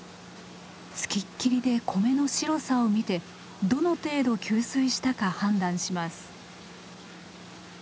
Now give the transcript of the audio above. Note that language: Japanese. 付きっきりで米の白さを見てどの程度吸水したか判断します。